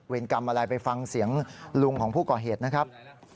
กรรมอะไรไปฟังเสียงลุงของผู้ก่อเหตุนะครับ